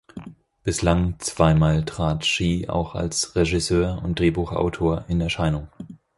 Bislang zwei Mal trat Shea auch als Regisseur und Drehbuchautor in Erscheinung.